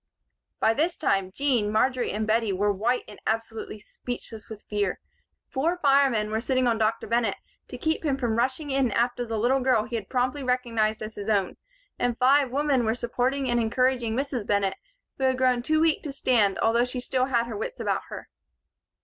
By this time, Jean, Marjory and Bettie were white and absolutely speechless with fear. Four firemen were sitting on Dr. Bennett to keep him from rushing in after the little girl he had promptly recognized as his own, and five women were supporting and encouraging Mrs. Bennett, who had grown too weak to stand although she still had her wits about her.